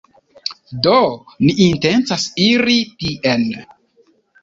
Do, ni intencas iri tien.